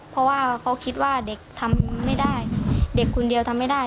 เพราะว่าเขาคิดว่าเด็กทำไม่ได้เด็กคนเดียวทำไม่ได้